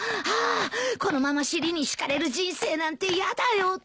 あーこのまま尻に敷かれる人生なんてやだよ。